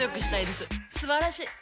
すばらしい！